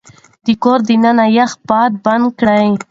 د کور دننه يخ باد بند کړئ.